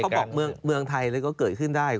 บอกเมืองไทยอะไรก็เกิดขึ้นได้